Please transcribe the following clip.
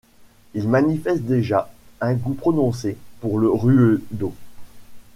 Il manifeste déjà un goût prononcé pour le ruedo.